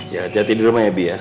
ya hati hati di rumah ya bi ya